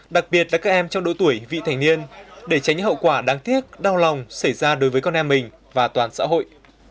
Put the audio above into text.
đặc biệt là các em trong độ tuổi vị thành niên để tránh hậu quả đáng tiếc đau lòng xảy ra đối với con em mình và toàn xã hội